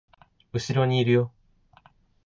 後ろにいるよ